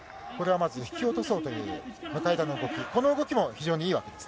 まず引き落とそうという向田のこの動きも非常にいいわけです。